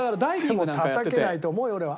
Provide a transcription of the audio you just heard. でもたたけないと思うよ俺は。